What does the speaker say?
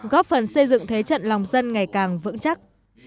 góp phần xây dựng thế trận lòng dân ngày càng vững chắc